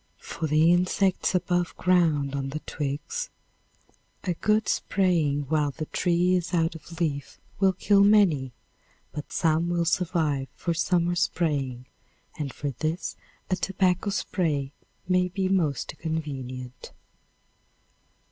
For the insects above ground on the twigs, a good spraying while the tree is out of leaf will kill many, but some will survive for summer spraying, and for this a tobacco spray may be most convenient.